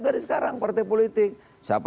dari sekarang partai politik siapa